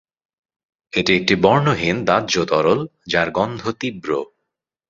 এটি একটি বর্ণহীন দাহ্য তরল যার গন্ধ তীব্র।